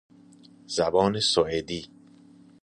زبان سوئدی